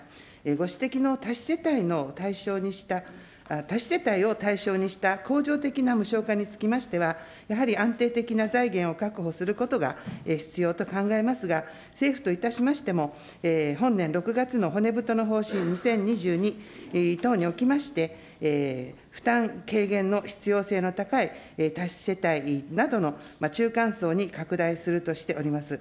ご指摘の多子世帯の対象にした、多子世帯を対象にした恒常的な無償化につきましては、やはり安定的な財源を確保することが必要と考えますが、政府といたしましても、本年６月の骨太の方針２０２２等におきまして、負担軽減の必要性の高い多子世帯などの中間層に拡大するとしております。